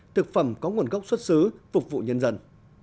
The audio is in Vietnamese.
thực phẩm có nguồn gốc xuất xứ phục vụ nhân dân